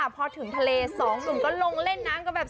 ว่ามักยากมาก